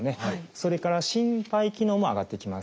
それから心肺機能も上がってきます。